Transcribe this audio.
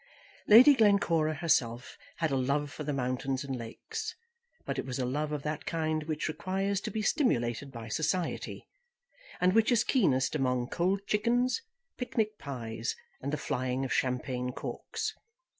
Lady Glencora herself had a love for the mountains and lakes, but it was a love of that kind which requires to be stimulated by society, and which is keenest among cold chickens, picnic pies, and the flying of champagne corks.